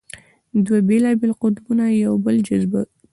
دوه بېلابېل قطبونه یو بل جذبه کوي.